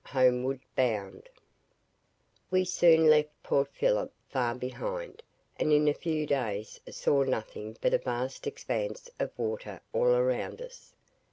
HOMEWARD BOUND We soon left Port Philip far behind, and in a few days saw nothing but a vast expanse of water all around us.